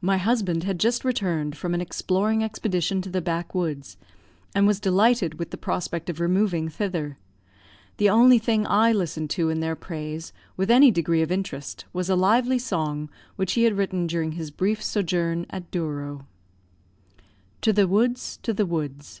My husband had just returned from an exploring expedition to the backwoods, and was delighted with the prospect of removing thither. The only thing I listened to in their praise, with any degree of interest, was a lively song, which he had written during his brief sojourn at Douro: TO THE WOODS! TO THE WOODS!